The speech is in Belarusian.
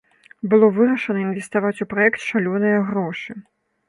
Было вырашана інвеставаць у праект шалёныя грошы.